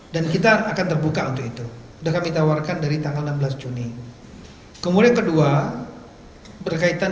dan kita akan terbuka untuk itu udah kami tawarkan dari tanggal enam belas juni kemudian kedua berkaitan